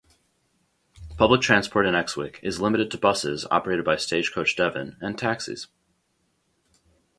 Public Transport in Exwick is limited to buses, operated by Stagecoach Devon, and taxis.